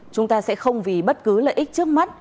chúng ta sẽ không vì bất cứ lợi ích trước mắt